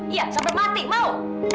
iya sampai mati mau